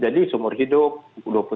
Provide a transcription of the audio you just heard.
jadi seumur hidup dua puluh tahun